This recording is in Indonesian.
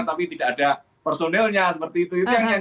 tapi tidak ada personelnya seperti itu